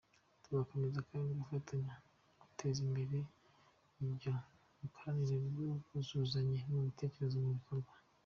Tuzakomeza kandi gufatanya guteza imbere iyo mikoranire n’ubwuzuzanye mu bitekerezo no mu bikorwa.